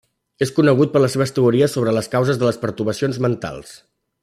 És conegut per les seves teories sobre les causes de les pertorbacions mentals.